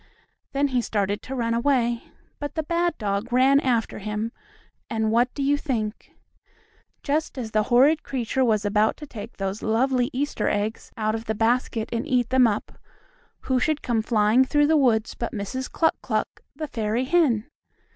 Then he started to run away, but the bad dog ran after him, and what do you think? Just as the horrid creature was about to take those lovely Easter eggs out of the basket and eat them up, who should come flying through the woods but Mrs. Cluck Cluck, the fairy hen!